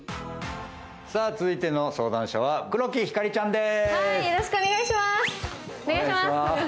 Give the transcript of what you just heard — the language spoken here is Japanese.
続いての相談者は黒木ひかりちゃんです。